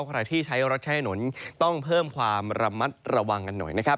ใครที่ใช้รถใช้ถนนต้องเพิ่มความระมัดระวังกันหน่อยนะครับ